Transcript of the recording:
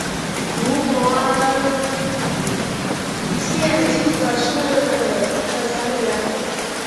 无国界记者是的成员。